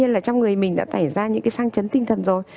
nên là trong người mình đã tẩy ra những cái sang chấn tinh thần rồi